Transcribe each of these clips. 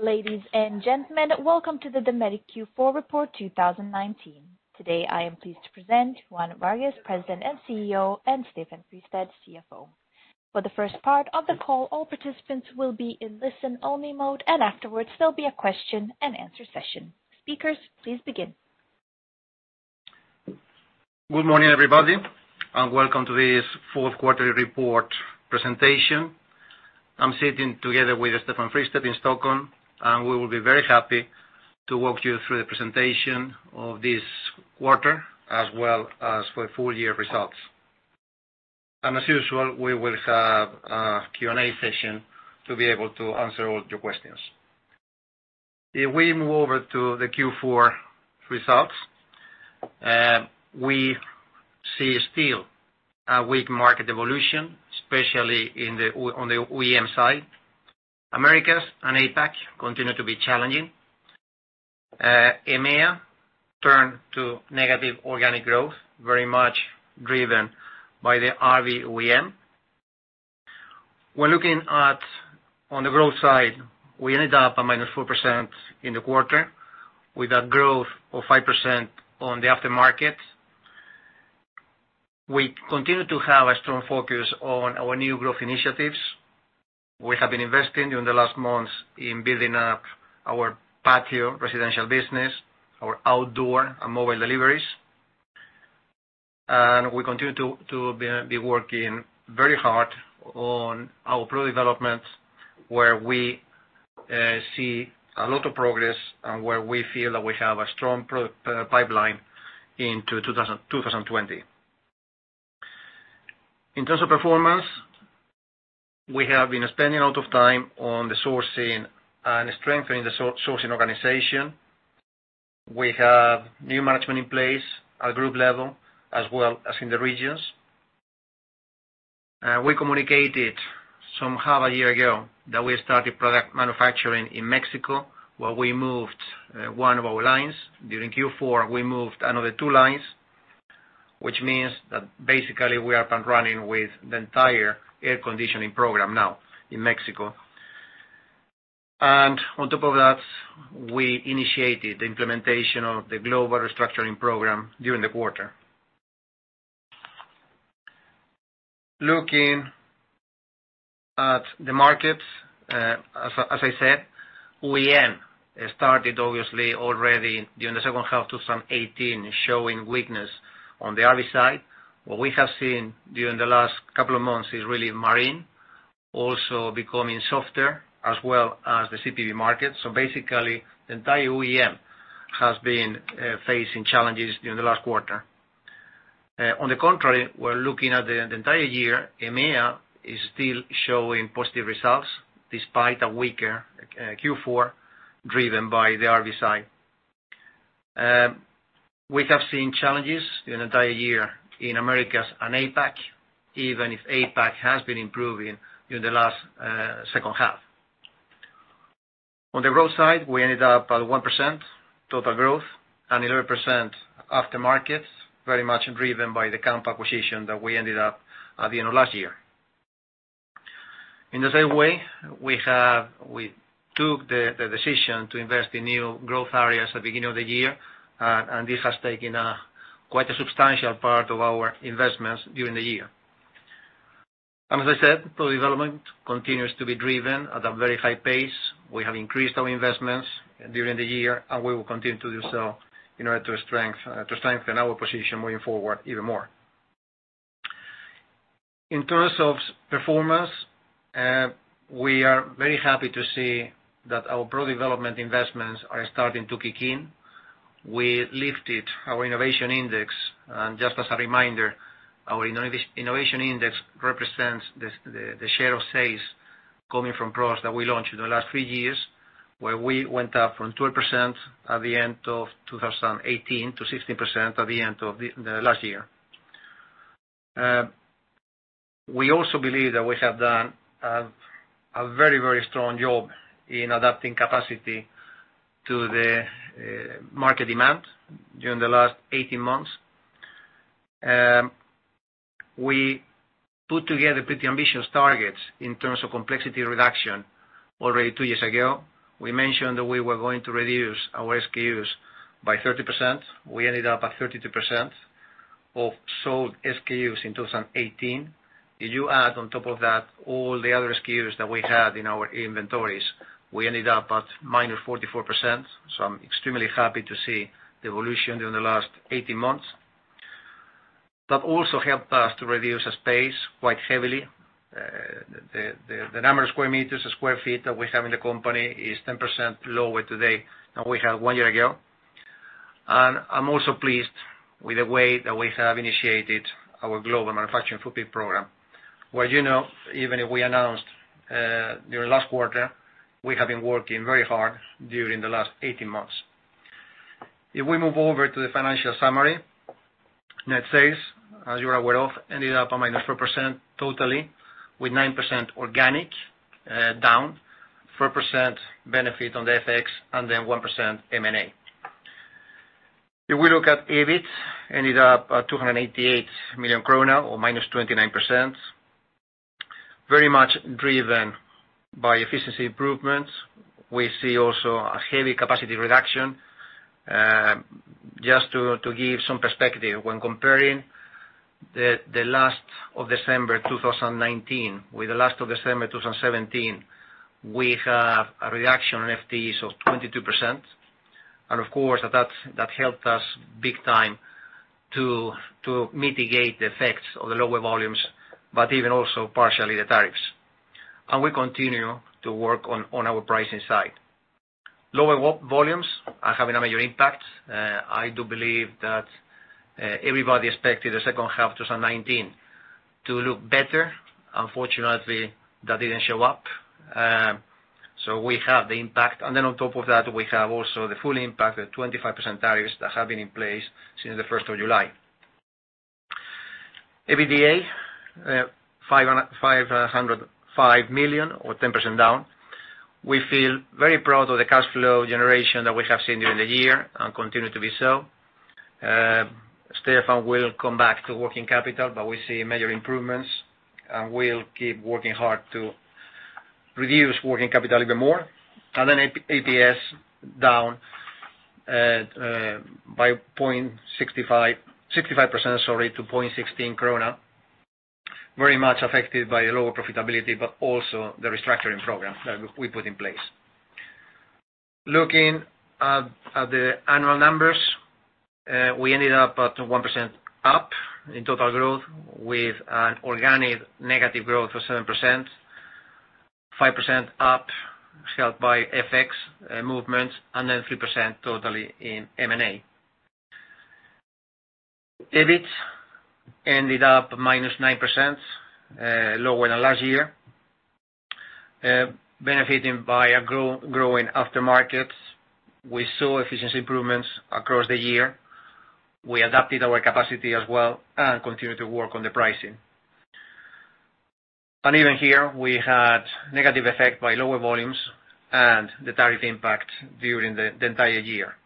Ladies and gentlemen, welcome to the Dometic Q4 Report 2019. Today, I am pleased to present Juan Vargues, President and CEO, and Stefan Fristedt, CFO. For the first part of the call, all participants will be in listen-only mode, and afterwards, there'll be a question and answer session. Speakers, please begin. Good morning, everybody, welcome to this fourth quarter report presentation. I'm sitting together with Stefan Fristedt in Stockholm, and we will be very happy to walk you through the presentation of this quarter as well as for full-year results. As usual, we will have a Q&A session to be able to answer all your questions. If we move over to the Q4 results, we see still a weak market evolution, especially on the OEM side. Americas and APAC continue to be challenging. EMEA turned to negative organic growth, very much driven by the RV OEM. We're looking at on the growth side, we ended up at -4% in the quarter with a growth of 5% on the aftermarket. We continue to have a strong focus on our new growth initiatives. We have been investing during the last months in building up our patio residential business, our outdoor and Mobile Deliveries. We continue to be working very hard on our product development, where we see a lot of progress and where we feel that we have a strong product pipeline into 2020. In terms of performance, we have been spending a lot of time on the sourcing and strengthening the sourcing organization. We have new management in place at group level as well as in the regions. We communicated somehow a year ago that we started product manufacturing in Mexico, where we moved one of our lines. During Q4, we moved another two lines, which means that basically we are up and running with the entire air conditioning program now in Mexico. On top of that, we initiated the implementation of the global restructuring program during the quarter. Looking at the markets, as I said, OEM started obviously already during the second half 2018 showing weakness on the RV side. What we have seen during the last couple of months is really marine also becoming softer as well as the CPV market. Basically, the entire OEM has been facing challenges during the last quarter. On the contrary, we are looking at the entire year, EMEA is still showing positive results despite a weaker Q4 driven by the RV side. We have seen challenges the entire year in Americas and APAC, even if APAC has been improving during the last second half. On the growth side, we ended up at 1% total growth and 11% after markets, very much driven by the Kampa acquisition that we ended up at the end of last year. In the same way, we took the decision to invest in new growth areas at beginning of the year, this has taken quite a substantial part of our investments during the year. As I said, product development continues to be driven at a very high pace. We have increased our investments during the year, and we will continue to do so in order to strengthen our position moving forward even more. In terms of performance, we are very happy to see that our product development investments are starting to kick in. We lifted our innovation index. Just as a reminder, our innovation index represents the share of sales coming from products that we launched in the last three years, where we went up from 12% at the end of 2018 to 16% at the end of the last year. We also believe that we have done a very strong job in adapting capacity to the market demand during the last 18 months. We put together pretty ambitious targets in terms of complexity reduction already two years ago. We mentioned that we were going to reduce our SKUs by 30%. We ended up at 32% of sold SKUs in 2018. If you add on top of that all the other SKUs that we had in our inventories, we ended up at -44%. I'm extremely happy to see the evolution during the last 18 months. That also helped us to reduce the space quite heavily. The number of square meters, square feet that we have in the company is 10% lower today than we had one year ago. And I'm also pleased with the way that we have initiated our global manufacturing footprint program. Where you know, even if we announced during last quarter, we have been working very hard during the last 18 months. If we move over to the financial summary. Net sales, as you are aware of, ended up at -4% totally, with 9% organic down, 4% benefit on the FX, and then 1% M&A. If we look at EBIT, ended up at 288 million krona or -29%, very much driven by efficiency improvements. We see also a heavy capacity reduction. Just to give some perspective, when comparing the last of December 2019 with the last of December 2017, we have a reduction in FTEs of 22%. Of course, that helped us big time to mitigate the effects of the lower volumes, but even also partially the tariffs. We continue to work on our pricing side. Lower volumes are having a major impact. I do believe that everybody expected the second half 2019 to look better. Unfortunately, that didn't show up. We have the impact. On top of that, we have also the full impact of the 25% tariffs that have been in place since the first of July. EBITDA 505 million or 10% down. We feel very proud of the cash flow generation that we have seen during the year and continue to be so. Stefan will come back to working capital, but we see major improvements, and we'll keep working hard to reduce working capital even more. EPS down by 65% to 0.16 krona. Very much affected by the lower profitability, but also the restructuring program that we put in place. Looking at the annual numbers, we ended up at 1% up in total growth with an organic negative growth of 7%, 5% up helped by FX movements, and then 3% totally in M&A. EBIT ended up -9%, lower than last year, benefiting by a growing aftermarket. We saw efficiency improvements across the year. We adapted our capacity as well and continued to work on the pricing. Even here, we had negative effect by lower volumes and the tariff impact during the entire year.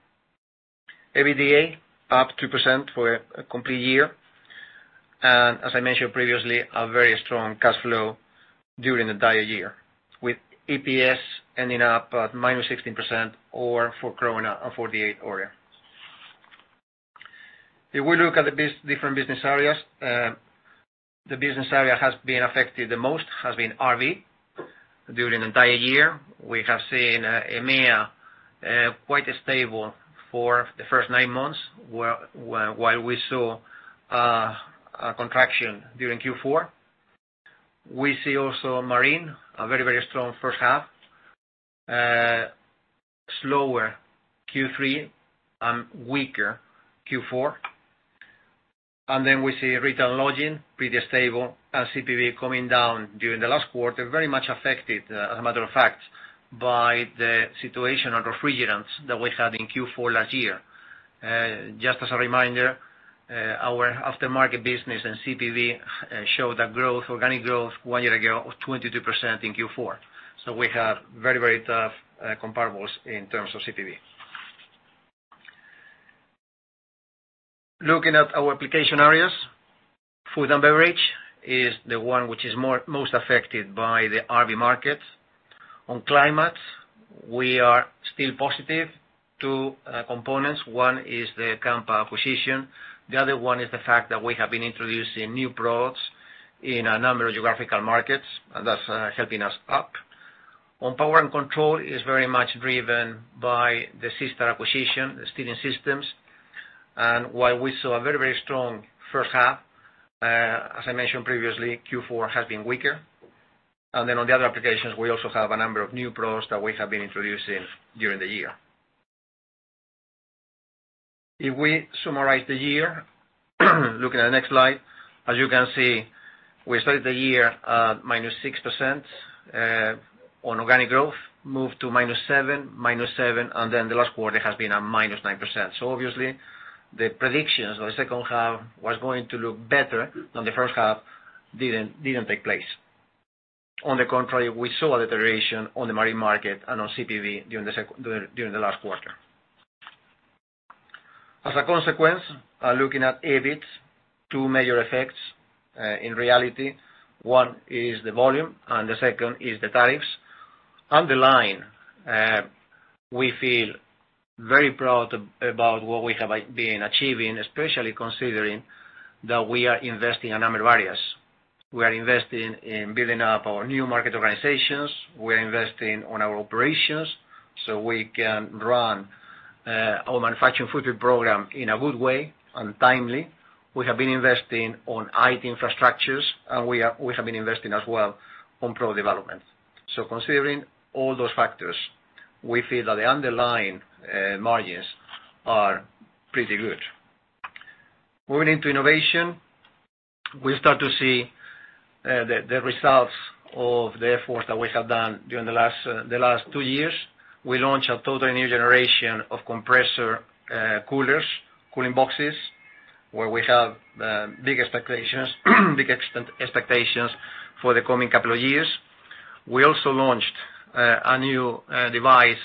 EBITDA up 2% for a complete year. As I mentioned previously, a very strong cash flow during the entire year, with EPS ending up at -16% or for 4.48. If we look at the different business areas, the business area has been affected the most has been RV during the entire year. We have seen EMEA quite stable for the first nine months, while we saw a contraction during Q4. We see Marine, a very strong first half, slower Q3 and weaker Q4. We see Retail and Lodging pretty stable, and CPV coming down during the last quarter, very much affected, as a matter of fact, by the situation on refrigerants that we had in Q4 last year. Just as a reminder, our aftermarket business and CPV showed organic growth one year ago of 22% in Q4. We have very tough comparables in terms of CPV. Looking at our application areas, food and beverage is the one which is most affected by the RV market. On climate, we are still positive. Two components. One is the Kampa acquisition. The other one is the fact that we have been introducing new products in a number of geographical markets, and that's helping us up. On power and control is very much driven by the SeaStar acquisition, the steering systems. While we saw a very strong first half, as I mentioned previously, Q4 has been weaker. Then on the other applications, we also have a number of new products that we have been introducing during the year. If we summarize the year, looking at the next slide, as you can see, we started the year at -6% on organic growth, moved to -7%, -7%, the last quarter has been a -9%. Obviously, the predictions of the second half was going to look better than the first half didn't take place. On the contrary, we saw a deterioration on the Marine market and on CPV during the last quarter. As a consequence, looking at EBIT, two major effects in reality. One is the volume, and the second is the tariffs. Underline, we feel very proud about what we have been achieving, especially considering that we are investing in a number of areas. We are investing in building up our new market organizations. We are investing on our operations so we can run our manufacturing future program in a good way and timely. We have been investing on IT infrastructures, and we have been investing as well on product development. Considering all those factors, we feel that the underlying margins are pretty good. Moving into innovation, we start to see the results of the efforts that we have done during the last two years. We launched a totally new generation of compressor cooling boxes, where we have big expectations for the coming couple of years. We also launched a new device,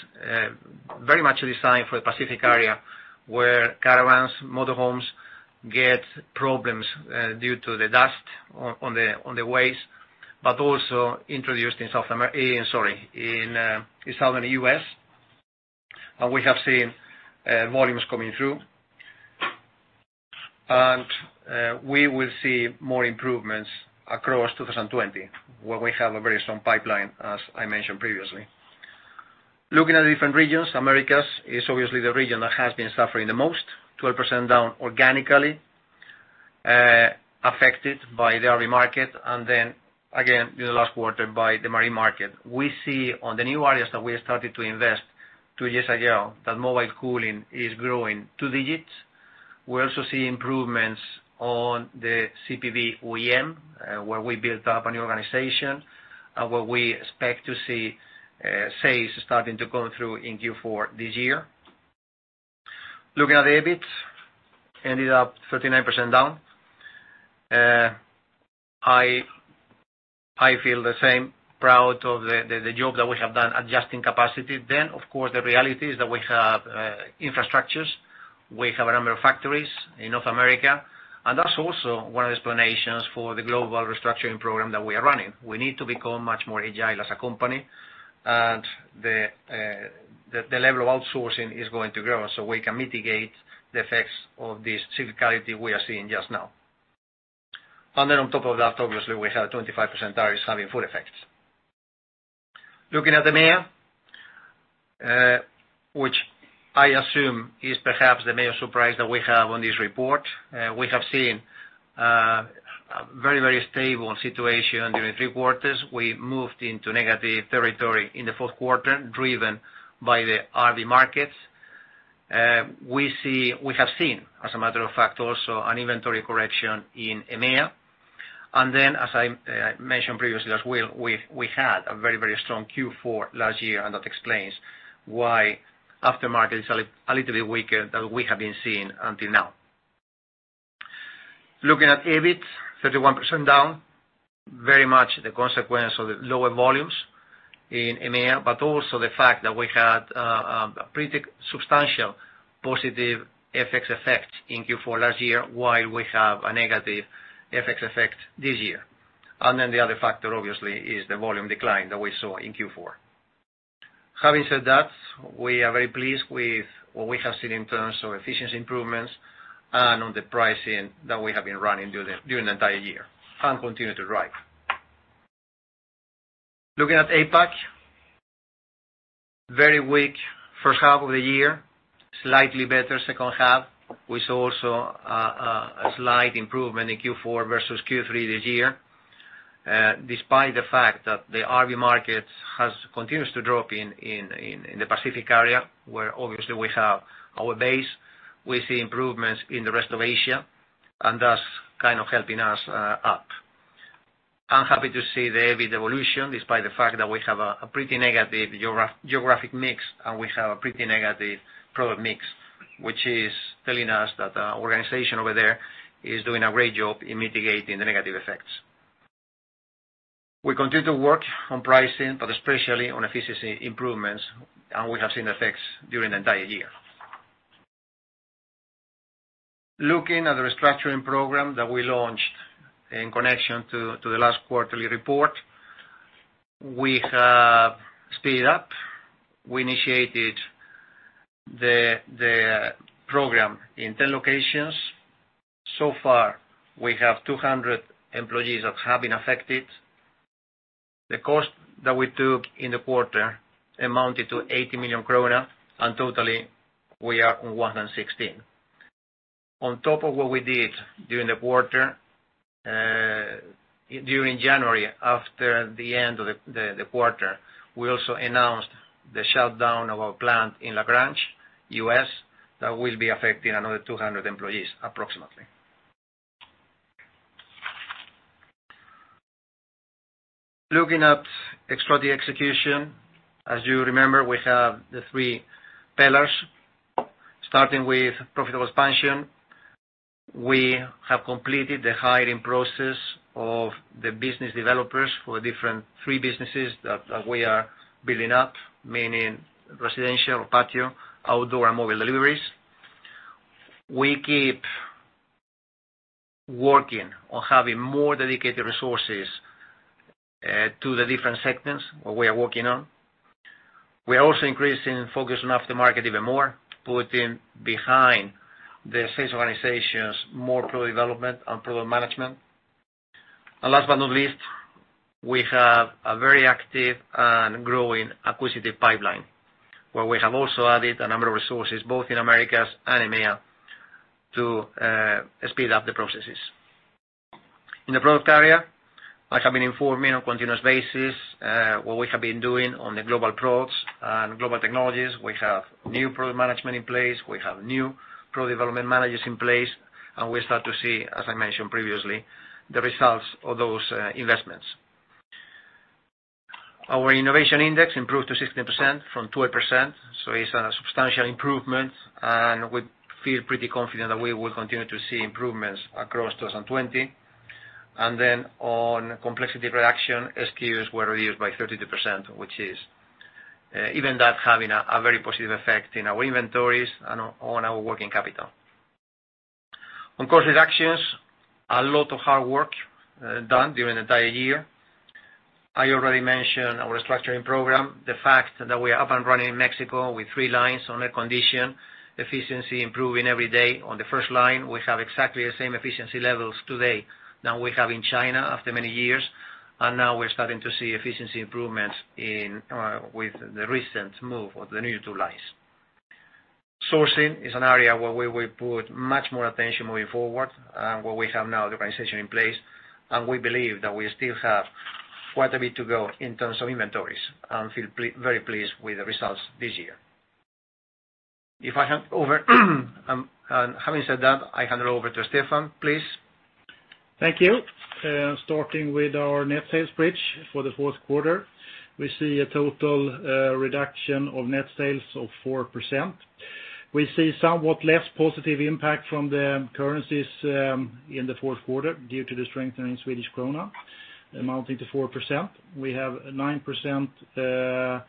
very much designed for the Pacific area, where caravans, motor homes get problems due to the dust on the ways, but also introduced in southern U.S. We have seen volumes coming through. We will see more improvements across 2020, where we have a very strong pipeline, as I mentioned previously. Looking at different regions, Americas is obviously the region that has been suffering the most, 12% down organically, affected by the RV market, and then again in the last quarter by the marine market. We see on the new areas that we have started to invest two years ago, that mobile cooling is growing two digits. We're also seeing improvements on the CPV OEM, where we built up a new organization, and where we expect to see sales starting to come through in Q4 this year. Looking at the EBIT. Ended up 39% down. I feel the same, proud of the job that we have done adjusting capacity then. Of course, the reality is that we have infrastructures, we have a number of factories in North America, and that's also one of the explanations for the global restructuring program that we are running. We need to become much more agile as a company, and the level of outsourcing is going to grow, so we can mitigate the effects of this cyclicality we are seeing just now. On top of that, obviously, we have 25% tariffs having full effects. Looking at the EMEA, which I assume is perhaps the major surprise that we have on this report. We have seen a very stable situation during three quarters. We moved into negative territory in the fourth quarter, driven by the RV markets. We have seen, as a matter of fact, also an inventory correction in EMEA. As I mentioned previously as well, we had a very strong Q4 last year, and that explains why aftermarket is a little bit weaker than we have been seeing until now. Looking at EBIT, 31% down, very much the consequence of the lower volumes in EMEA, but also the fact that we had a pretty substantial positive FX effect in Q4 last year, while we have a negative FX effect this year. The other factor obviously is the volume decline that we saw in Q4. Having said that, we are very pleased with what we have seen in terms of efficiency improvements and on the pricing that we have been running during the entire year, and continue to drive. Looking at APAC. Very weak first half of the year. Slightly better second half. We saw also a slight improvement in Q4 versus Q3 this year. Despite the fact that the RV market continues to drop in the Pacific area, where obviously we have our base. We see improvements in the rest of Asia, and that's kind of helping us up. I'm happy to see the EBIT evolution, despite the fact that we have a pretty negative geographic mix, and we have a pretty negative product mix. Which is telling us that our organization over there is doing a great job in mitigating the negative effects. We continue to work on pricing, but especially on efficiency improvements, and we have seen effects during the entire year. Looking at the restructuring program that we launched in connection to the last quarterly report. We have sped it up. We initiated the program in 10 locations. So far, we have 200 employees that have been affected. The cost that we took in the quarter amounted to EUR 80 million, and totally we are on 116. On top of what we did during the quarter, during January, after the end of the quarter, we also announced the shutdown of our plant in LaGrange, U.S., that will be affecting another 200 employees approximately. Looking at strategy execution. As you remember, we have the three pillars. Starting with profitable expansion. We have completed the hiring process of the business developers for different three businesses that we are building up, meaning residential, patio, outdoor, and Mobile Deliveries. We keep working on having more dedicated resources to the different sectors we are working on. We are also increasing focus on aftermarket even more, putting behind the sales organizations more product development and product management. Last but not least, we have a very active and growing acquisitive pipeline, where we have also added a number of resources both in Americas and EMEA to speed up the processes. In the product area, I have been informing on continuous basis, what we have been doing on the global products and global technologies. We have new product management in place. We have new product development managers in place. We start to see, as I mentioned previously, the results of those investments. Our innovation index improved to 16% from 12%, so it's a substantial improvement, and we feel pretty confident that we will continue to see improvements across 2020. On complexity reduction, SKUs were reduced by 32%, even that having a very positive effect in our inventories and on our working capital. On cost reductions, a lot of hard work done during the entire year. I already mentioned our restructuring program, the fact that we are up and running in Mexico with three lines on air condition, efficiency improving every day. On the first line, we have exactly the same efficiency levels today than we have in China after many years. Now we're starting to see efficiency improvements with the recent move of the new two lines. Sourcing is an area where we will put much more attention moving forward, where we have now the organization in place, and we believe that we still have quite a bit to go in terms of inventories, and feel very pleased with the results this year. Having said that, I hand over to Stefan, please. Thank you. Starting with our net sales pitch for the fourth quarter. We see a total reduction of net sales of 4%. We see somewhat less positive impact from the currencies in the fourth quarter due to the strengthening Swedish krona amounting to 4%. We have 9%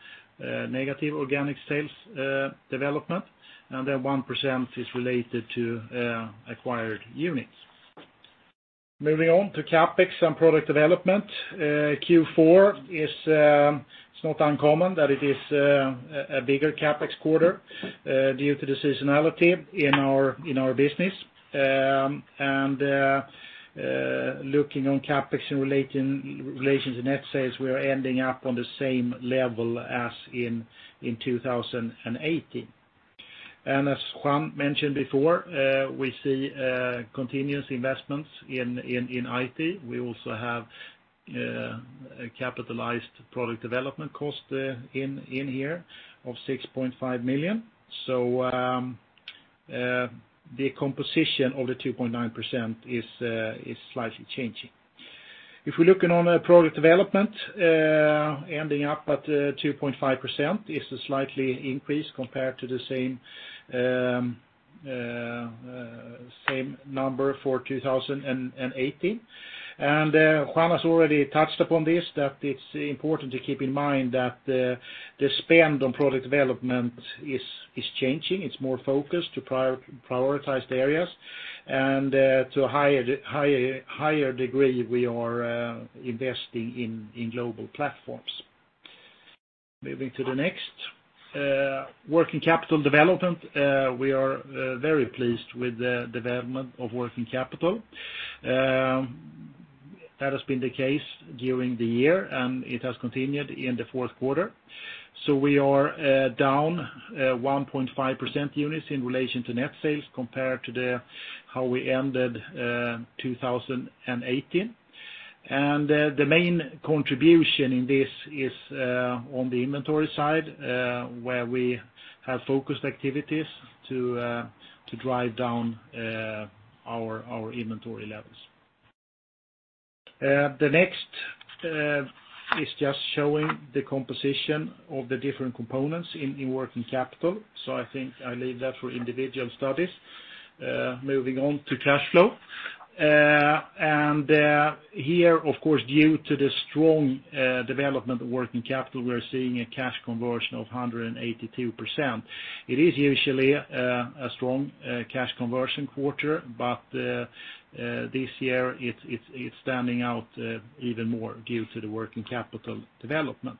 negative organic sales development. 1% is related to acquired units. Moving on to CapEx and product development. Q4 is not uncommon that it is a bigger CapEx quarter due to the seasonality in our business. Looking on CapEx in relation to net sales, we are ending up on the same level as in 2018. As Juan mentioned before, we see continuous investments in IT. We also have a capitalized product development cost in here of 6.5 million. The composition of the 2.9% is slightly changing. If we're looking on a product development ending up at 2.5% is a slight increase compared to the same number for 2018. Juan has already touched upon this, that it's important to keep in mind that the spend on product development is changing. It's more focused to prioritized areas, and to a higher degree, we are investing in global platforms. Moving to the next. Working capital development. We are very pleased with the development of working capital. That has been the case during the year, and it has continued in the fourth quarter. We are down 1.5% units in relation to net sales compared to how we ended 2018. The main contribution in this is on the inventory side, where we have focused activities to drive down our inventory levels. The next is just showing the composition of the different components in working capital. I think I leave that for individual studies. Moving on to cash flow. Here, of course, due to the strong development of working capital, we're seeing a cash conversion of 182%. It is usually a strong cash conversion quarter, but this year it's standing out even more due to the working capital development.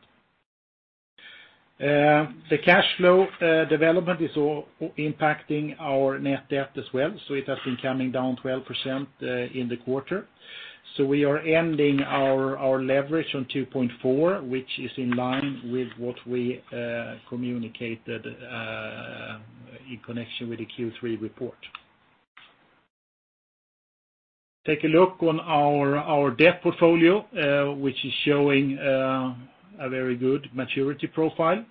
The cash flow development is impacting our net debt as well. It has been coming down 12% in the quarter. We are ending our leverage on 2.4, which is in line with what we communicated in connection with the Q3 report. Take a look on our debt portfolio, which is showing a very good maturity profile.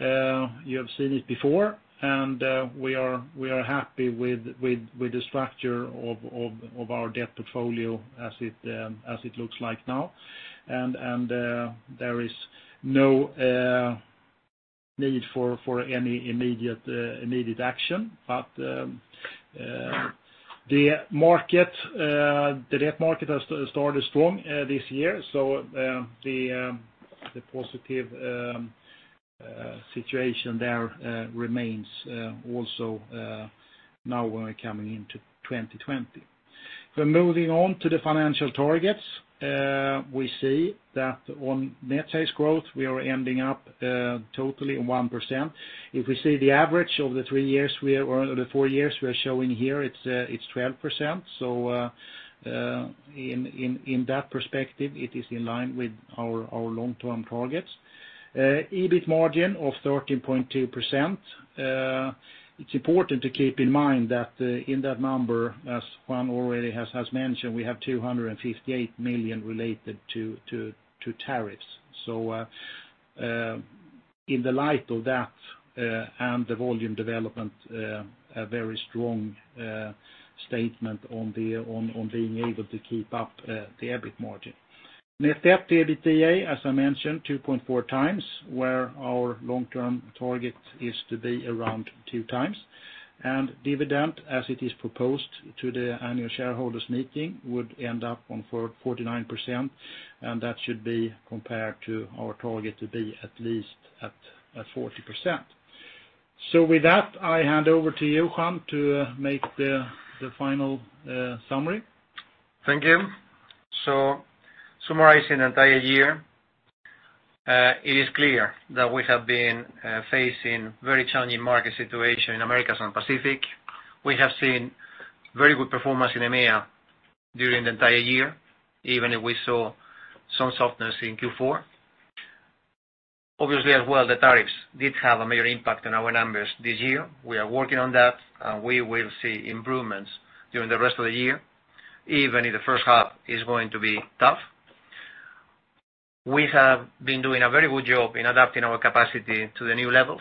You have seen it before, and we are happy with the structure of our debt portfolio as it looks like now. There is no need for any immediate action. The debt market has started strong this year, so the positive situation there remains also now when we're coming into 2020. Moving on to the financial targets. We see that on net sales growth, we are ending up totally 1%. If we see the average of the three years or the four years we are showing here, it's 12%. In that perspective, it is in line with our long-term targets. EBIT margin of 13.2%. It's important to keep in mind that in that number, as Juan already has mentioned, we have 258 million related to tariffs. In the light of that and the volume development, a very strong statement on being able to keep up the EBIT margin. Net debt to EBITDA, as I mentioned, 2.4 times, where our long-term target is to be around two times. Dividend, as it is proposed to the annual shareholders meeting, would end up on 49%, and that should be compared to our target to be at least at 40%. With that, I hand over to you, Juan, to make the final summary. Thank you. Summarizing the entire year, it is clear that we have been facing very challenging market situation in Americas and Pacific. We have seen very good performance in EMEA during the entire year, even if we saw some softness in Q4. Obviously, as well, the tariffs did have a major impact on our numbers this year. We are working on that, and we will see improvements during the rest of the year, even if the first half is going to be tough. We have been doing a very good job in adapting our capacity to the new levels,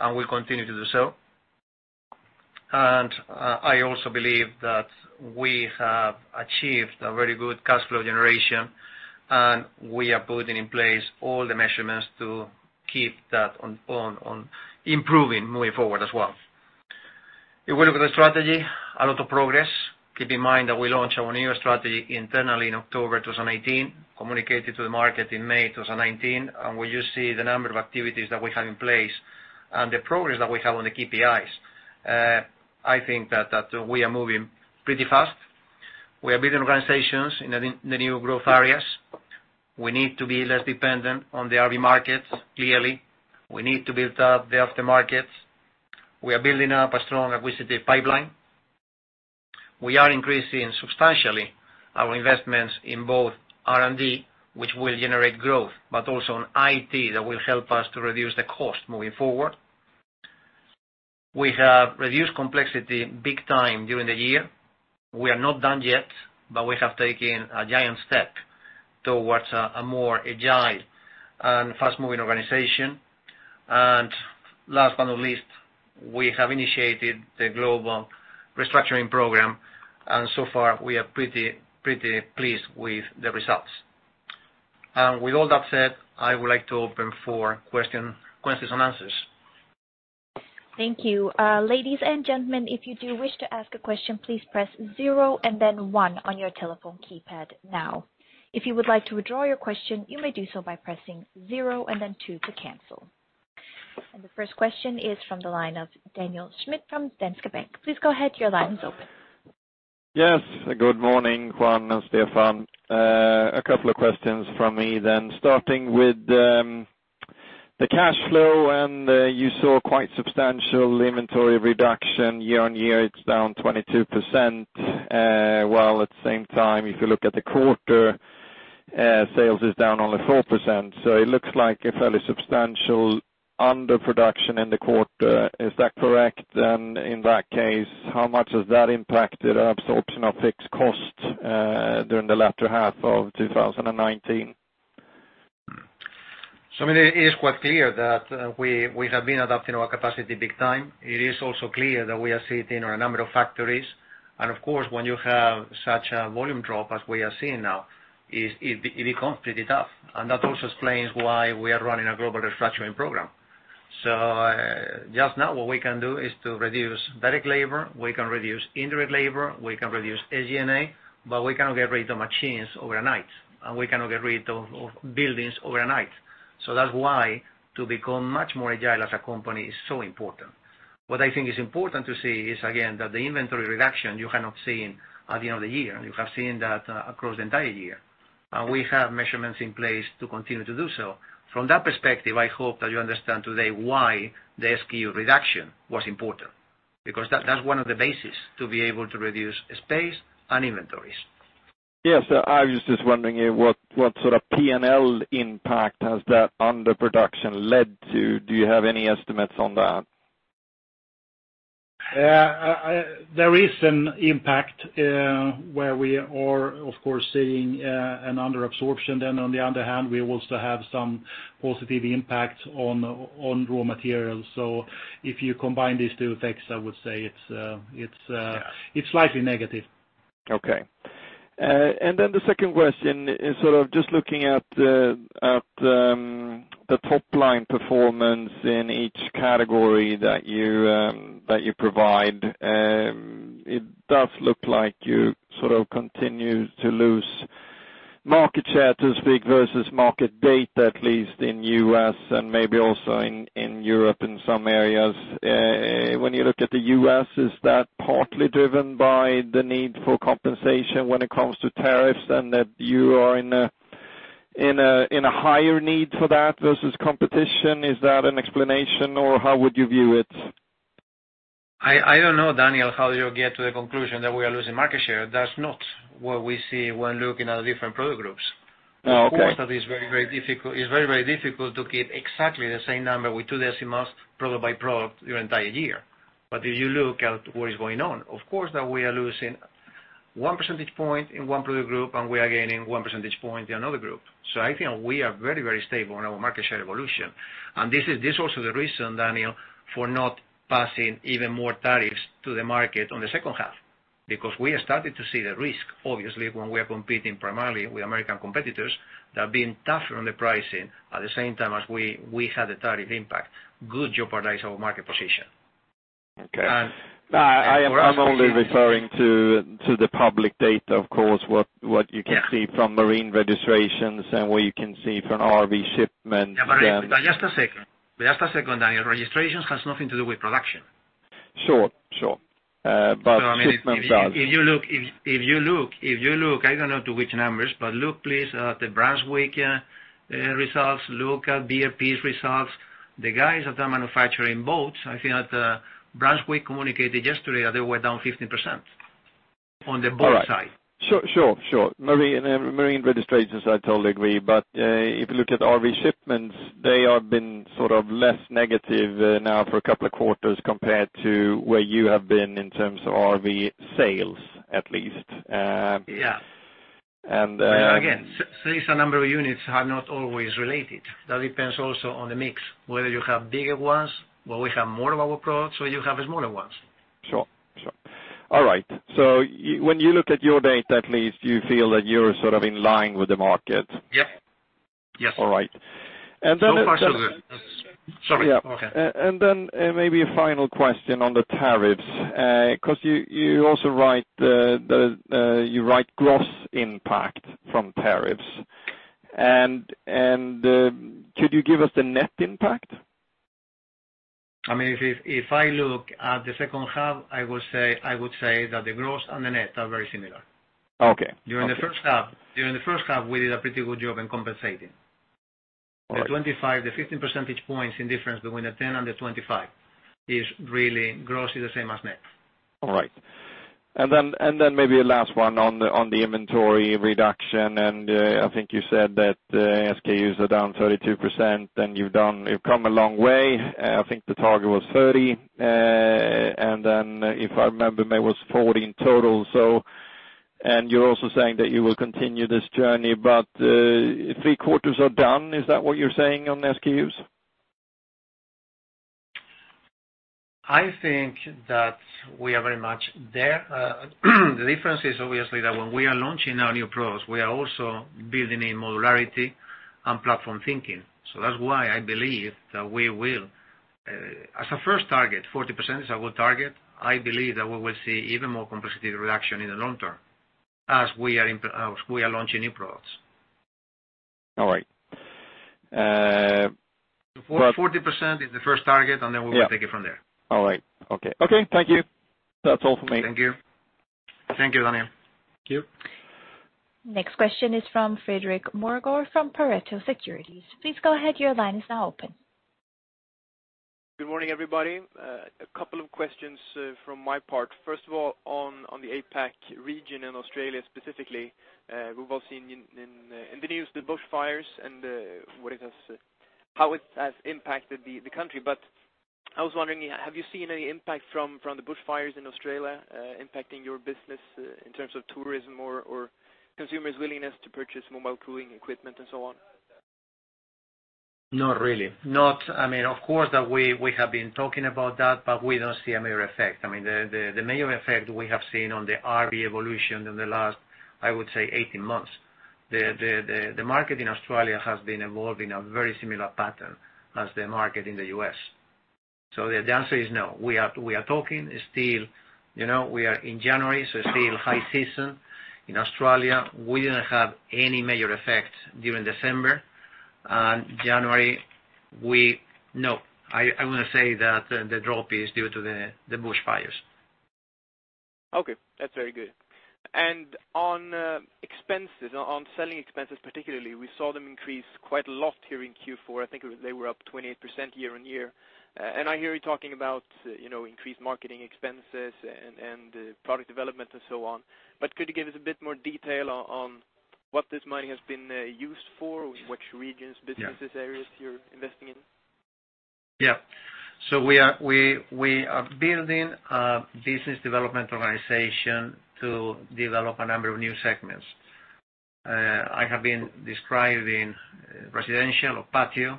and we'll continue to do so. I also believe that we have achieved a very good cash flow generation, and we are putting in place all the measurements to keep that on improving moving forward as well. If we look at the strategy, a lot of progress. Keep in mind that we launched our new strategy internally in October 2018, communicated to the market in May 2019, and when you see the number of activities that we have in place and the progress that we have on the KPIs, I think that we are moving pretty fast. We are building organizations in the new growth areas. We need to be less dependent on the RV markets, clearly. We need to build up the aftermarkets. We are building up a strong acquisition pipeline. We are increasing substantially our investments in both R&D, which will generate growth, but also on IT, that will help us to reduce the cost moving forward. We have reduced complexity big time during the year. We are not done yet, but we have taken a giant step towards a more agile and fast-moving organization. Last but not least, we have initiated the global restructuring program, and so far we are pretty pleased with the results. With all that said, I would like to open for questions and answers. Thank you. Ladies and gentlemen, if you do wish to ask a question, please press zero and then one on your telephone keypad now. If you would like to withdraw your question, you may do so by pressing zero and then two to cancel. The first question is from the line of Daniel Schmidt from Danske Bank. Please go ahead, your line is open. Yes. Good morning, Juan and Stefan. A couple of questions from me then. Starting with the cash flow, you saw quite substantial inventory reduction year-over-year. It's down 22%, while at the same time, if you look at the quarter, sales is down only 4%. It looks like a fairly substantial underproduction in the quarter. Is that correct? In that case, how much has that impacted absorption of fixed costs during the latter half of 2019? It is quite clear that we have been adapting our capacity big time. It is also clear that we are sitting on a number of factories. Of course, when you have such a volume drop as we are seeing now, it becomes pretty tough. That also explains why we are running a global restructuring program. Just now what we can do is to reduce direct labor, we can reduce indirect labor, we can reduce SG&A, but we cannot get rid of machines overnight, and we cannot get rid of buildings overnight. That's why to become much more agile as a company is so important. What I think is important to see is, again, that the inventory reduction you have not seen at the end of the year. You have seen that across the entire year. We have measurements in place to continue to do so. From that perspective, I hope that you understand today why the SKU reduction was important, because that's one of the bases to be able to reduce space and inventories. Yes. I was just wondering what sort of P&L impact has that underproduction led to? Do you have any estimates on that? There is an impact, where we are of course seeing an under absorption. On the other hand, we also have some positive impact on raw materials. If you combine these two effects, I would say it's slightly negative. Okay. Then the second question is just looking at the top-line performance in each category that you provide. It does look like you continue to lose market share versus market data, at least in the U.S. and maybe also in Europe in some areas. When you look at the U.S., is that partly driven by the need for compensation when it comes to tariffs and that you are in a higher need for that versus competition? Is that an explanation or how would you view it? I don't know, Daniel, how you get to the conclusion that we are losing market share. That's not what we see when looking at different product groups. Okay. Of course, it's very difficult to keep exactly the same number with two decimals product by product your entire year. If you look at what is going on, of course that we are losing 1 percentage point in one product group, and we are gaining 1 percentage point in another group. I think we are very stable in our market share evolution. This is also the reason, Daniel, for not passing even more tariffs to the market on the second half, because we have started to see the risk, obviously, when we are competing primarily with American competitors that are being tougher on the pricing at the same time as we had the tariff impact could jeopardize our market position. Okay. And- I'm only referring to the public data, of course. Yeah see from marine registrations and what you can see from RV shipments. Yeah, just a second. Just a second, Daniel. Registrations has nothing to do with production. Sure. Shipments does. If you look, I don't know to which numbers, but look, please, at the Brunswick results, look at BRP's results. The guys that are manufacturing boats, I think that Brunswick communicated yesterday that they were down 15% on the boat side. Sure. Marine registrations, I totally agree. If you look at RV shipments, they have been sort of less negative now for a couple of quarters compared to where you have been in terms of RV sales, at least. Yeah. And- Sales and number of units are not always related. That depends also on the mix, whether you have bigger ones, whether we have more of our products, or you have smaller ones. Sure. All right. When you look at your data, at least you feel that you're sort of in line with the market? Yep. Yes. All right. So far, so good. Sorry. Okay. Maybe a final question on the tariffs, because you write gross impact from tariffs. Could you give us the net impact? If I look at the second half, I would say that the gross and the net are very similar. Okay. During the first half, we did a pretty good job in compensating. All right. The 15 percentage points in difference between the 10 and the 25 is really gross is the same as net. All right. Maybe a last one on the inventory reduction, I think you said that SKUs are down 32%, and you've come a long way. I think the target was 30, if I remember, maybe it was 40 in total. You're also saying that you will continue this journey, but three quarters are done. Is that what you're saying on SKUs? I think that we are very much there. The difference is obviously that when we are launching our new products, we are also building in modularity and platform thinking. That's why I believe that. As a first target, 40% is our target. I believe that we will see even more complexity reduction in the long term as we are launching new products. All right. 40% is the first target, and then we will take it from there. All right. Okay. Thank you. That's all for me. Thank you. Thank you, Daniel. Thank you. Next question is from Fredrik Ivarsson from Pareto Securities. Please go ahead. Your line is now open. Good morning, everybody. A couple of questions from my part. First of all, on the APAC region in Australia specifically, we've all seen in the news the bush fires and how it has impacted the country. I was wondering, have you seen any impact from the bush fires in Australia impacting your business in terms of tourism or consumers' willingness to purchase mobile cooling equipment and so on? Not really. Of course, we have been talking about that, but we don't see a major effect. The major effect we have seen on the RV evolution in the last, I would say, 18 months. The market in Australia has been evolving a very similar pattern as the market in the U.S. The answer is no. We are talking still. We are in January, so still high season in Australia. We didn't have any major effect during December and January. No, I wouldn't say that the drop is due to the bush fires. Okay, that's very good. On selling expenses particularly, we saw them increase quite a lot here in Q4. I think they were up 28% year-on-year. I hear you talking about increased marketing expenses and product development and so on. Could you give us a bit more detail on what this money has been used for, which regions, businesses, areas you're investing in? Yeah. We are building a business development organization to develop a number of new segments. I have been describing residential or patio,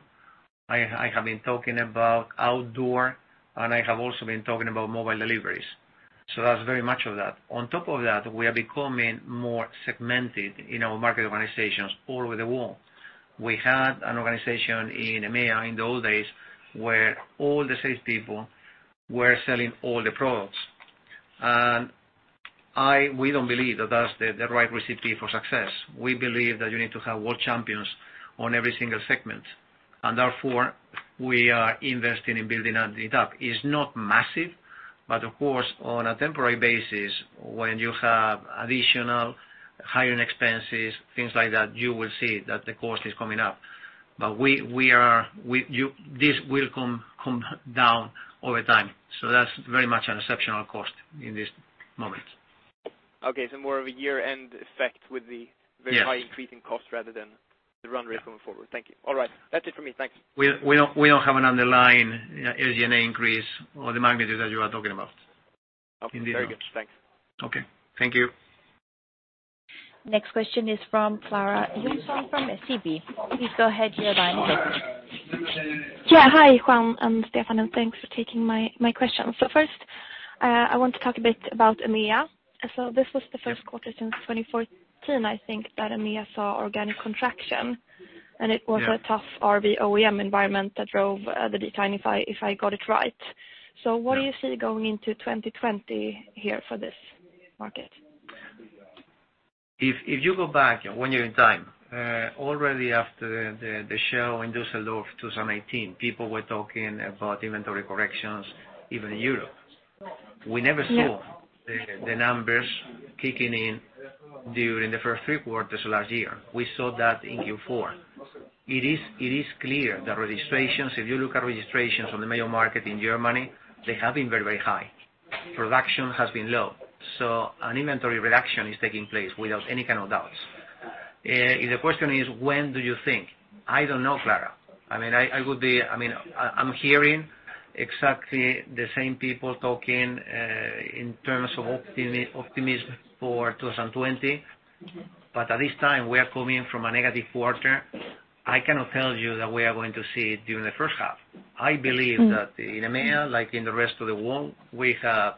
I have been talking about outdoor, and I have also been talking about Mobile Deliveries. That's very much of that. On top of that, we are becoming more segmented in our market organizations all over the world. We had an organization in EMEA in the old days where all the sales people were selling all the products. We don't believe that that's the right recipe for success. We believe that you need to have world champions on every single segment. Therefore, we are investing in building that data. It's not massive, but of course, on a temporary basis, when you have additional hiring expenses, things like that, you will see that the cost is coming up. This will come down over time. That's very much an exceptional cost in this moment. Okay. More of a year-end effect. Yes very high increase in cost rather than the runway going forward. Thank you. All right. That's it for me. Thanks. We don't have an underlying SG&A increase or the magnitude that you are talking about. Okay. Very good. Thanks. Okay. Thank you. Next question is from Clara Humson from SEB. Please go ahead, your line is open. Yeah. Hi, Juan and Stefan, and thanks for taking my question. First, I want to talk a bit about EMEA. This was the first quarter since 2014, I think, that EMEA saw organic contraction. Yeah. It was a tough RV OEM environment that drove the decline, if I got it right. Yeah. What do you see going into 2020 here for this market? If you go back one year in time, already after the show in Düsseldorf 2018, people were talking about inventory corrections, even in Europe. Yeah. We never saw the numbers kicking in during the first three quarters last year. We saw that in Q4. It is clear that registrations, if you look at registrations on the major market in Germany, they have been very high. Production has been low. An inventory reduction is taking place without any kind of doubts. If the question is, when do you think? I don't know, Clara. I'm hearing exactly the same people talking, in terms of optimism for 2020. At this time, we are coming from a negative quarter. I cannot tell you that we are going to see during the first half. I believe that in EMEA, like in the rest of the world, we have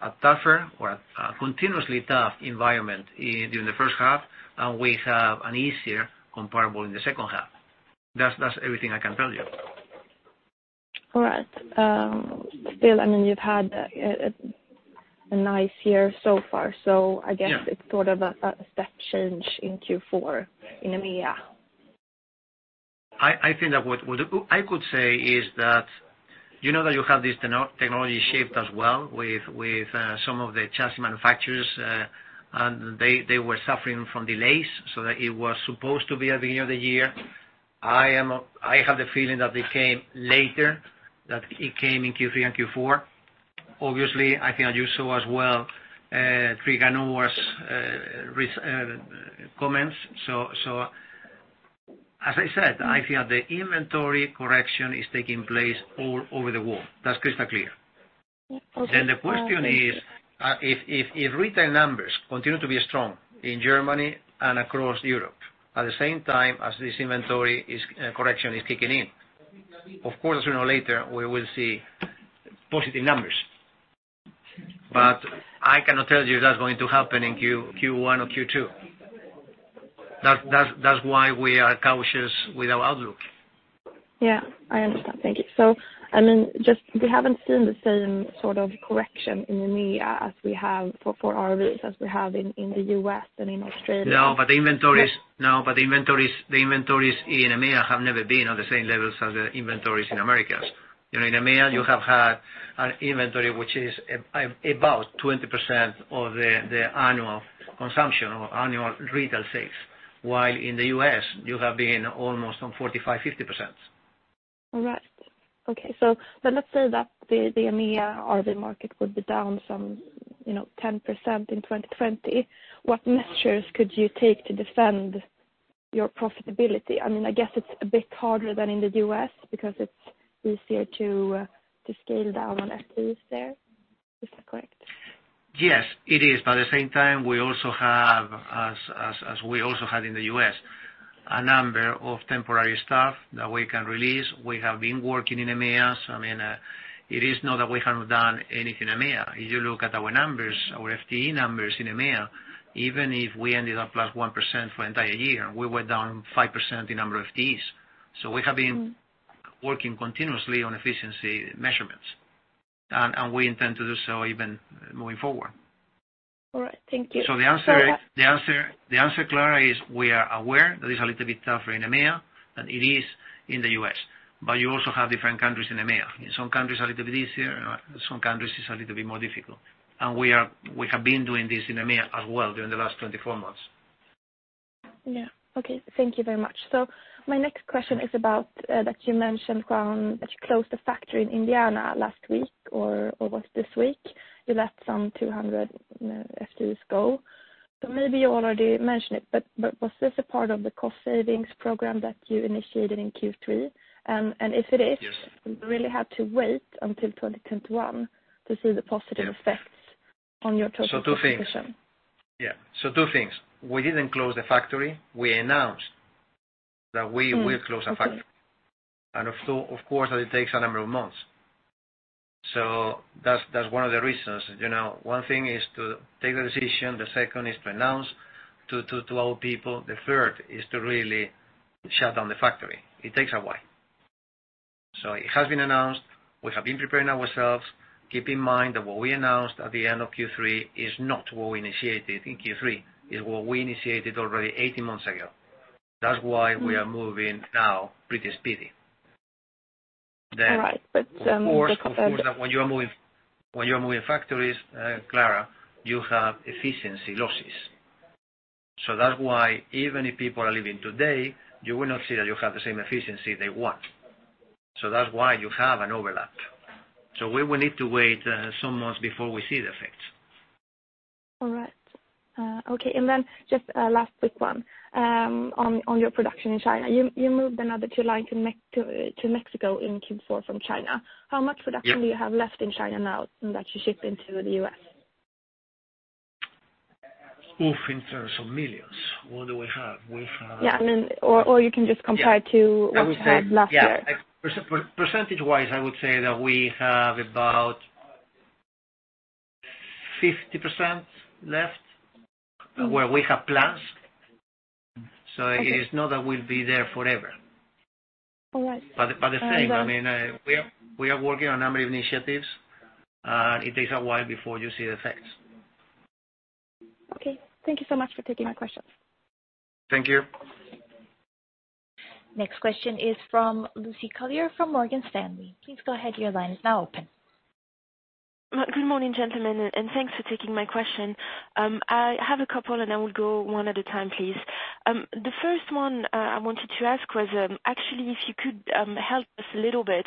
a tougher or a continuously tough environment during the first half, and we have an easier comparable in the second half. That's everything I can tell you. All right. Still, you've had a nice year so far. Yeah It is sort of a step change in Q4 in EMEA. I think that what I could say is that, you know that you have this technology shift as well with some of the chassis manufacturers, and they were suffering from delays so that it was supposed to be at the end of the year. I have the feeling that they came later, that it came in Q3 and Q4. Obviously, I think that you saw as well, Trigano comments. As I said, I feel the inventory correction is taking place all over the world. That's crystal clear. Okay. The question is, if retail numbers continue to be strong in Germany and across Europe, at the same time as this inventory correction is kicking in, of course, sooner or later, we will see positive numbers. I cannot tell you that's going to happen in Q1 or Q2. That's why we are cautious with our outlook. Yeah. I understand. Thank you. We haven't seen the same sort of correction in EMEA for RVs as we have in the U.S. and in Australia. The inventories in EMEA have never been on the same levels as the inventories in Americas. In EMEA, you have had an inventory which is about 20% of the annual consumption or annual retail sales, while in the U.S., you have been almost on 45%-50%. All right. Okay. Let's say that the EMEA RV market would be down some 10% in 2020. What measures could you take to defend your profitability? I guess it's a bit harder than in the U.S. because it's easier to scale down on FTEs there. Is that correct? Yes, it is. At the same time, we also have, as we also had in the U.S., a number of temporary staff that we can release. We have been working in EMEA. It is not that we have not done anything in EMEA. If you look at our numbers, our FTE numbers in EMEA, even if we ended up +1% for entire year, we were down 5% in number of FTEs. We have been working continuously on efficiency measurements, and we intend to do so even moving forward. All right. Thank you. The answer, Clara, is we are aware that it's a little bit tougher in EMEA than it is in the U.S. You also have different countries in EMEA. In some countries, a little bit easier, in some countries, it's a little bit more difficult. We have been doing this in EMEA as well during the last 24 months. Yeah. Okay. Thank you very much. My next question is about that you mentioned, Juan, that you closed the factory in Indiana last week or was this week. You let some 200 FTEs go. Maybe you already mentioned it, but was this a part of the cost savings program that you initiated in Q3? If it is. Yes Do we really have to wait until 2021 to see the positive effects on your total transition? Yeah. Two things. We didn't close the factory. We announced that we will close a factory. Okay. Of course, that it takes a number of months. That's one of the reasons. One thing is to take the decision, the second is to announce to our people, the third is to really shut down the factory. It takes a while. It has been announced. We have been preparing ourselves. Keep in mind that what we announced at the end of Q3 is not what we initiated in Q3. It's what we initiated already 18 months ago. That's why we are moving now pretty speedy. All right. Of course, when you are moving factories, Clara, you have efficiency losses. That's why even if people are leaving today, you will not see that you have the same efficiency day one. That's why you have an overlap. We will need to wait some months before we see the effects. All right. Okay, then just last quick one on your production in China. You moved another two lines to Mexico in Q4 from China. How much production do you have left in China now that you ship into the U.S.? In terms of millions, what do we have? Yeah. You can just compare it to what you had last year. Percentage-wise, I would say that we have about 50% left where we have plans. It is not that we'll be there forever. All right. The same, we are working on a number of initiatives, it takes a while before you see the effects. Okay. Thank you so much for taking my questions. Thank you. Next question is from Lucie Collier from Morgan Stanley. Please go ahead. Your line is now open. Good morning, gentlemen, and thanks for taking my question. I have a couple, and I will go one at a time, please. The first one I wanted to ask was, actually, if you could help us a little bit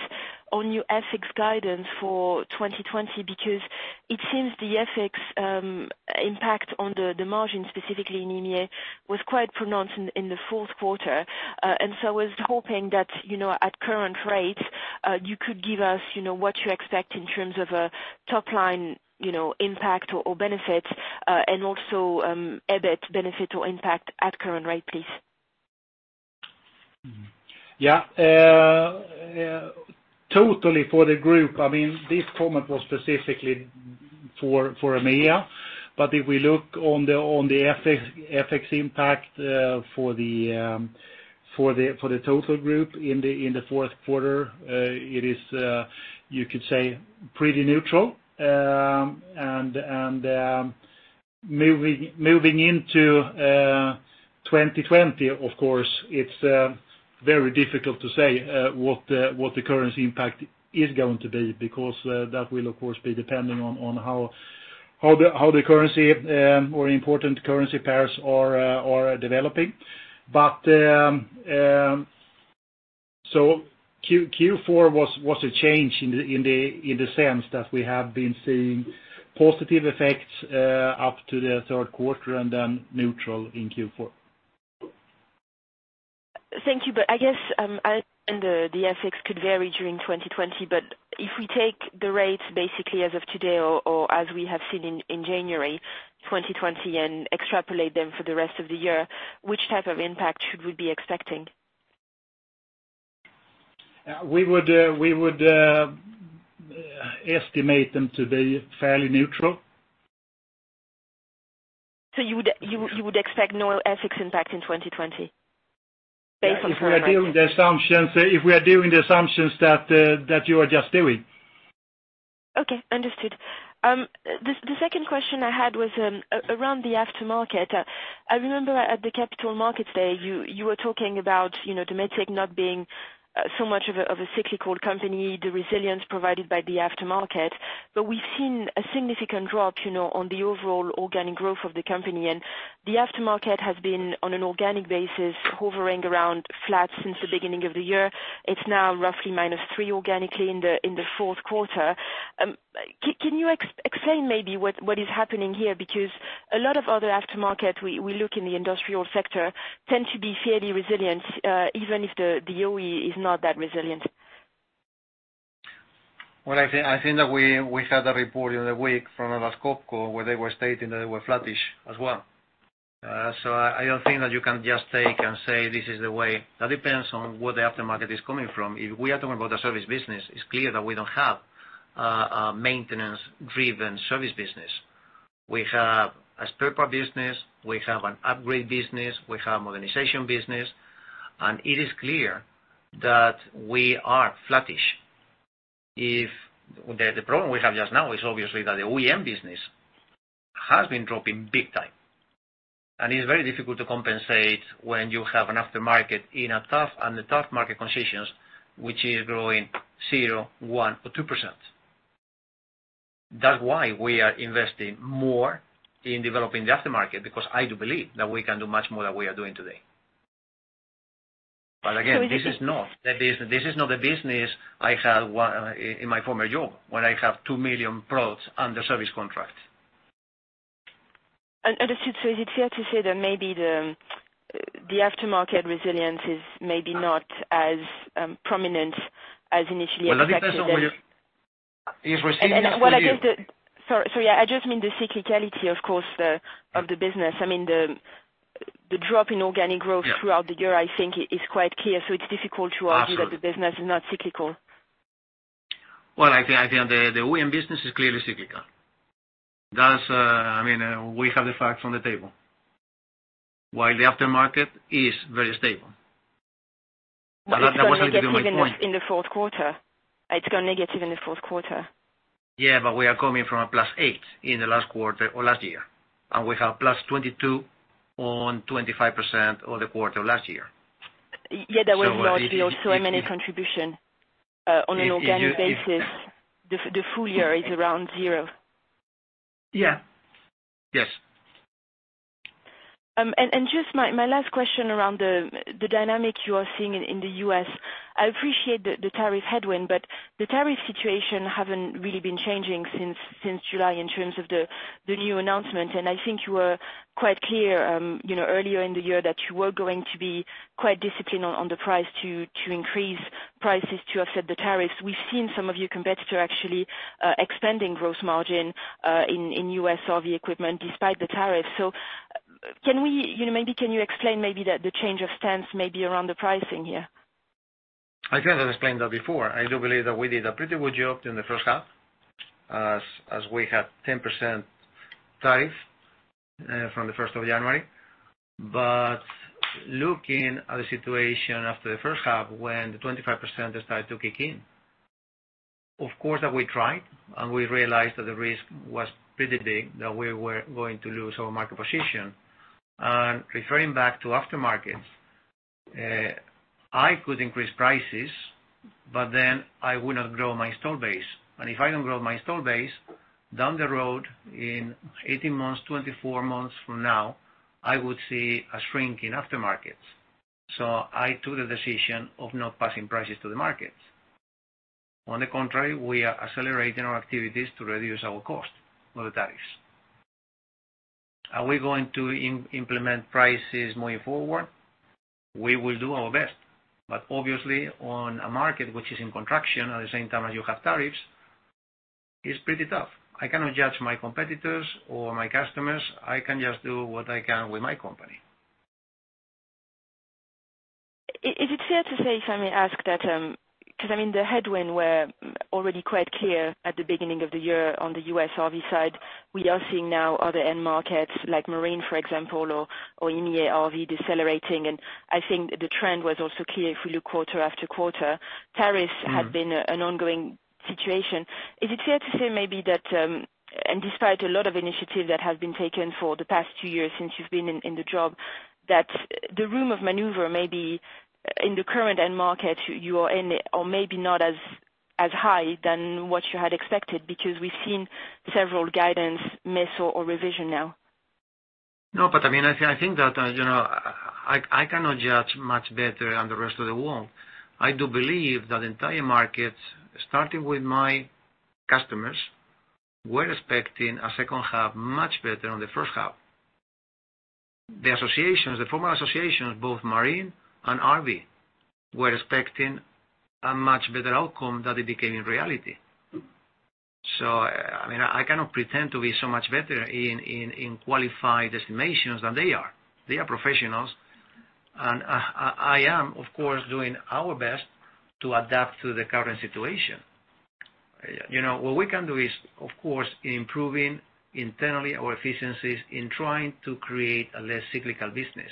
on your FX guidance for 2020, because it seems the FX impact on the margin, specifically in EMEA, was quite pronounced in the fourth quarter. I was hoping that, at current rates, you could give us what you expect in terms of a top-line impact or benefit, and also EBIT benefit or impact at current rate, please. Yeah. Totally for the group. This comment was specifically for EMEA. If we look on the FX impact for the total group in the fourth quarter, it is, you could say, pretty neutral. Moving into 2020, of course, it's very difficult to say what the currency impact is going to be, because that will, of course, be dependent on how the currency, or important currency pairs, are developing. Q4 was a change in the sense that we have been seeing positive effects up to the third quarter and then neutral in Q4. Thank you. I guess, and the FX could vary during 2020, but if we take the rates basically as of today or as we have seen in January 2020 and extrapolate them for the rest of the year, which type of impact should we be expecting? We would estimate them to be fairly neutral. You would expect no FX impact in 2020 based on current rates? If we are doing the assumptions that you are just doing. Okay, understood. The second question I had was around the aftermarket. I remember at the Capital Markets Day, you were talking about Dometic not being so much of a cyclical company, the resilience provided by the aftermarket. We've seen a significant drop on the overall organic growth of the company. The aftermarket has been, on an organic basis, hovering around flat since the beginning of the year. It's now roughly -3% organically in the fourth quarter. Can you explain maybe what is happening here? A lot of other aftermarket we look in the industrial sector tend to be fairly resilient, even if the OE is not that resilient. I think that we had a report the other week from Atlas Copco where they were stating that they were flattish as well. I don't think that you can just take and say this is the way. That depends on where the aftermarket is coming from. If we are talking about the service business, it's clear that we don't have a maintenance-driven service business. We have a spare part business. We have an upgrade business. We have a modernization business. It is clear that we are flattish. The problem we have just now is obviously that the OEM business has been dropping big time. It is very difficult to compensate when you have an aftermarket in a tough market conditions, which is growing 0%, 1%, or 2%. That's why we are investing more in developing the aftermarket, because I do believe that we can do much more than we are doing today. Again, this is not the business I had in my former job, when I have 2 million products under service contract. Understood. Is it fair to say that maybe the aftermarket resilience is maybe not as prominent as initially expected then? Well, that depends on Is we're seeing this for years. Sorry, I just mean the cyclicality, of course, of the business. The drop in organic growth throughout the year, I think, is quite clear. It's difficult to argue that the business is not cyclical. Well, I think the OEM business is clearly cyclical. We have the facts on the table. While the aftermarket is very stable. That was supposed to be my point. It's gone negative in the fourth quarter. We are coming from a plus eight in the last quarter or last year, and we have plus 22 on 25% on the quarter last year. Yeah, there was a large Dometic M&A contribution. On an organic basis, the full year is around zero. Yeah. Yes Just my last question around the dynamic you are seeing in the U.S. I appreciate the tariff headwind, but the tariff situation hasn't really been changing since July in terms of the new announcement. I think you were quite clear earlier in the year that you were going to be quite disciplined on the price to increase prices to offset the tariffs. We've seen some of your competitor actually expanding gross margin in U.S. RV equipment despite the tariffs. Maybe can you explain maybe the change of stance maybe around the pricing here? I kind of explained that before. I do believe that we did a pretty good job in the first half, as we had 10% tariff from the 1st of January. Looking at the situation after the first half when the 25% started to kick in, of course that we tried, and we realized that the risk was pretty big, that we were going to lose our market position. Referring back to aftermarket, I could increase prices, but then I would not grow my install base. If I don't grow my install base, down the road in 18 months, 24 months from now, I would see a shrink in aftermarkets. I took the decision of not passing prices to the markets. On the contrary, we are accelerating our activities to reduce our cost with the tariffs. Are we going to implement prices moving forward? We will do our best. Obviously on a market which is in contraction at the same time as you have tariffs, it's pretty tough. I cannot judge my competitors or my customers. I can just do what I can with my company. Is it fair to say, if I may ask that, because the headwinds were already quite clear at the beginning of the year on the U.S. RV side. We are seeing now other end markets like marine, for example, or EMEA RV decelerating, and I think the trend was also clear if we look quarter after quarter. Tariffs have been an ongoing situation. Is it fair to say maybe that, and despite a lot of initiative that has been taken for the past two years since you've been in the job, that the room of maneuver maybe in the current end market you are in or maybe not as high as what you had expected because we've seen several guidance miss or revision now. I think that I cannot judge much better than the rest of the world. I do believe that entire markets, starting with my customers, were expecting a second half much better than the first half. The former associations, both marine and RV, were expecting a much better outcome than it became in reality. I cannot pretend to be so much better in qualified estimations than they are. They are professionals, and I am, of course, doing our best to adapt to the current situation. What we can do is, of course, improving internally our efficiencies in trying to create a less cyclical business.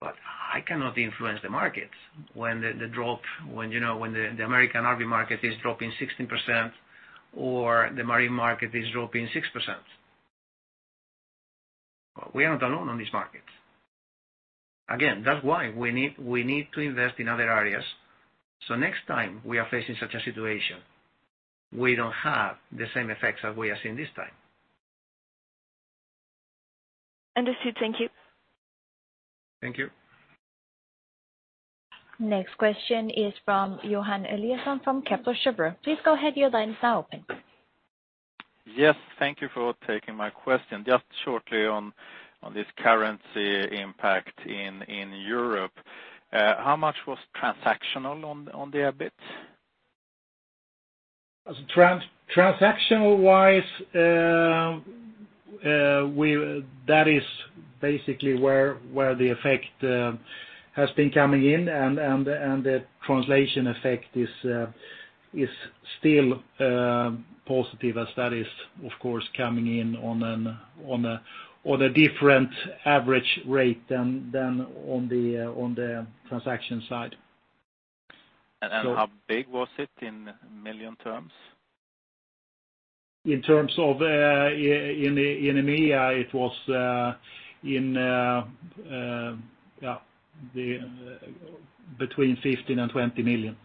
I cannot influence the markets when the American RV market is dropping 16% or the marine market is dropping 6%. We are not alone on this market. That's why we need to invest in other areas, so next time we are facing such a situation, we don't have the same effects as we are seeing this time. Understood. Thank you. Thank you. Next question is from Johan Eliasson from Kepler Cheuvreux. Please go ahead, your lines are open. Yes. Thank you for taking my question. Just shortly on this currency impact in Europe. How much was transactional on the EBIT? Transactional-wise, that is basically where the effect has been coming in and the translation effect is still positive as that is, of course, coming in on a different average rate than on the transaction side. How big was it in million terms? In terms of in EMEA, it was between 15 million and 20 million.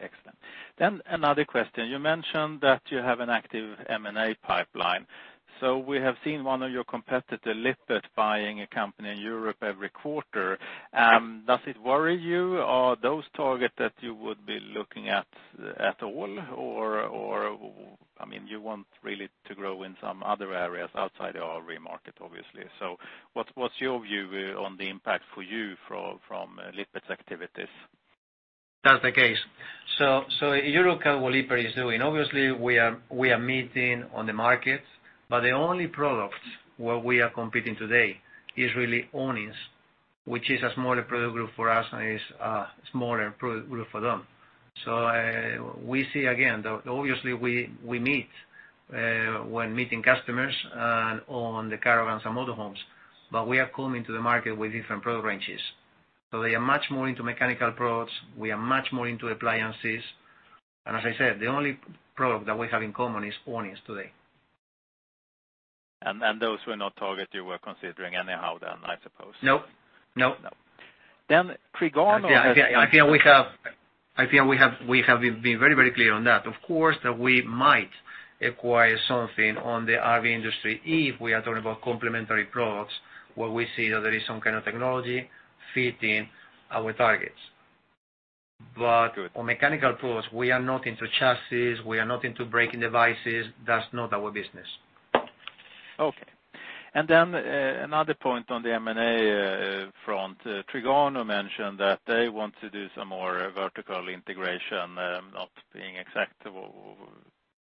Excellent. Another question. You mentioned that you have an active M&A pipeline. We have seen one of your competitor, Lippert, buying a company in Europe every quarter. Does it worry you? Are those targets that you would be looking at at all or you want really to grow in some other areas outside the RV market, obviously? What's your view on the impact for you from Lippert's activities? That's the case. You look at what Lippert is doing. Obviously, we are meeting on the markets, but the only products where we are competing today is really awnings, which is a smaller product group for us and is a smaller product group for them. We see again, obviously we meet when meeting customers on the caravans and motor homes, but we are coming to the market with different product ranges. They are much more into mechanical products. We are much more into appliances. As I said, the only product that we have in common is awnings today. Those were not target you were considering anyhow then, I suppose. No. Trigano I think we have been very clear on that. Of course, that we might acquire something on the RV industry if we are talking about complementary products where we see that there is some kind of technology fitting our targets. Good on mechanical products, we are not into chassis, we are not into braking devices. That's not our business. Another point on the M&A front, Trigano mentioned that they want to do some more vertical integration, not being exact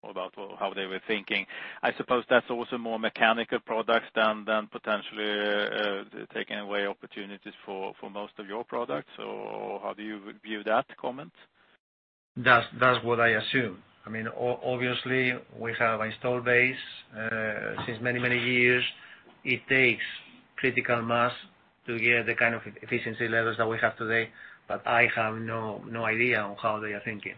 about how they were thinking. I suppose that is also more mechanical products than potentially taking away opportunities for most of your products, or how do you view that comment? That's what I assume. Obviously, we have installed base since many years. It takes critical mass to get the kind of efficiency levels that we have today, but I have no idea on how they are thinking.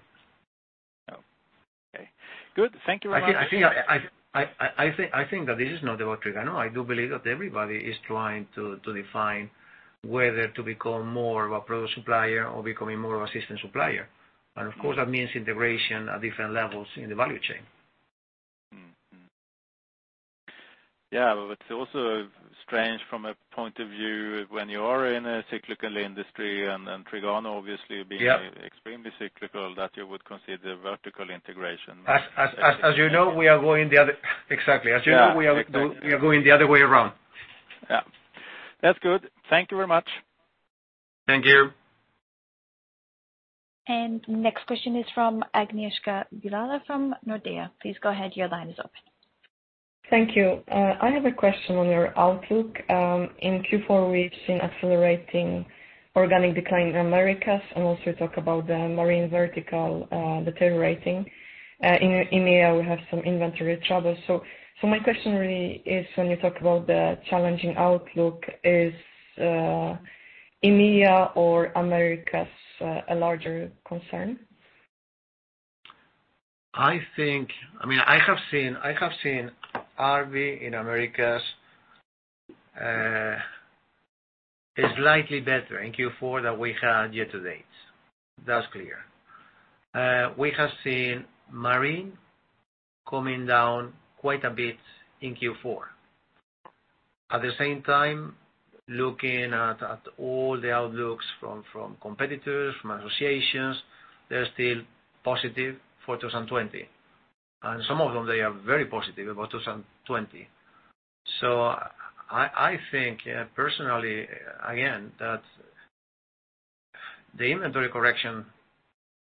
Okay, good. Thank you very much. I think that this is not about Trigano. I do believe that everybody is trying to define whether to become more of a product supplier or becoming more of a system supplier. Of course, that means integration at different levels in the value chain. Yeah. It's also strange from a point of view when you are in a cyclical industry. Yeah being extremely cyclical, that you would consider vertical integration. Exactly. Yeah We are going the other way around. Yeah. That's good. Thank you very much. Thank you. Next question is from Agnieszka Bryla from Nordea. Please go ahead, your line is open. Thank you. I have a question on your outlook. In Q4, we've seen accelerating organic decline in Americas, also you talk about the marine vertical deteriorating. In EMEA, we have some inventory trouble. My question really is, when you talk about the challenging outlook, is EMEA or Americas a larger concern? I have seen RV in Americas slightly better in Q4 than we had year to date. That's clear. We have seen marine coming down quite a bit in Q4. Looking at all the outlooks from competitors, from associations, they're still positive for 2020. Some of them, they are very positive about 2020. I think personally, again, that the inventory correction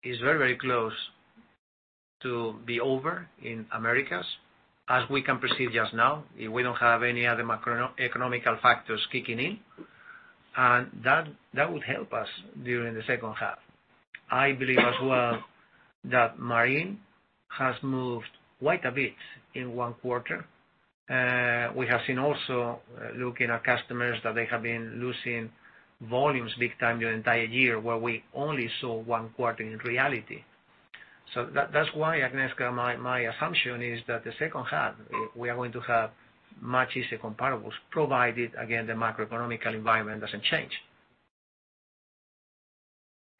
is very close to be over in Americas as we can perceive just now, if we don't have any other economic factors kicking in. That would help us during the second half. I believe as well that marine has moved quite a bit in one quarter. We have seen also, looking at customers, that they have been losing volumes big time the entire year, where we only saw one quarter in reality. That's why, Agnieszka, my assumption is that the second half, we are going to have much easier comparables, provided, again, the macroeconomical environment doesn't change.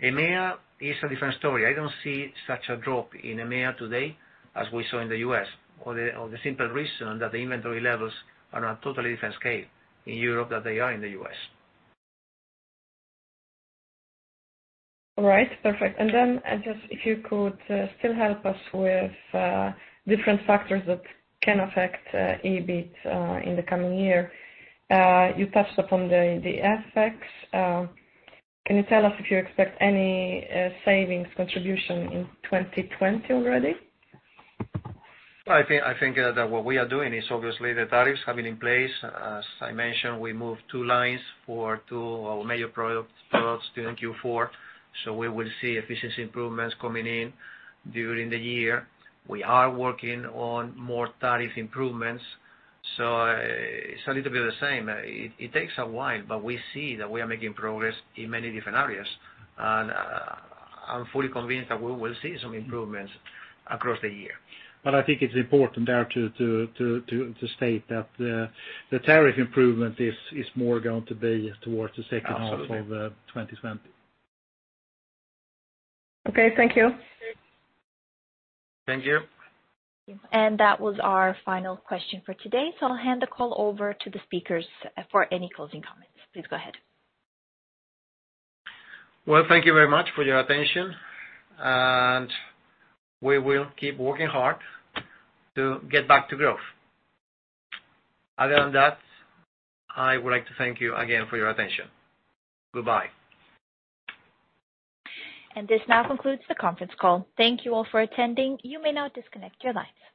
EMEA is a different story. I don't see such a drop in EMEA today as we saw in the U.S. For the simple reason that the inventory levels are on a totally different scale in Europe than they are in the U.S. All right. Perfect. Just if you could still help us with different factors that can affect EBIT in the coming year. You touched upon the FX. Can you tell us if you expect any savings contribution in 2020 already? I think that what we are doing is obviously the tariffs have been in place. As I mentioned, we moved two lines for two of our major products during Q4. We will see efficiency improvements coming in during the year. We are working on more tariff improvements. It's a little bit of the same. It takes a while, but we see that we are making progress in many different areas. I'm fully convinced that we will see some improvements across the year. I think it's important there to state that the tariff improvement is more going to be towards the second half. Absolutely of 2020. Okay. Thank you. Thank you. That was our final question for today. I'll hand the call over to the speakers for any closing comments. Please go ahead. Well, thank you very much for your attention, and we will keep working hard to get back to growth. Other than that, I would like to thank you again for your attention. Goodbye. This now concludes the conference call. Thank you all for attending. You may now disconnect your lines.